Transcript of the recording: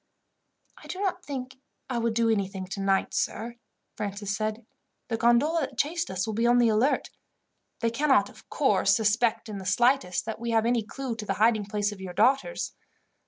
"I do not think I would do anything tonight, sir," Francis said. "The gondola that chased us will be on the alert. They cannot, of course, suspect in the slightest that we have any clue to the hiding place of your daughters.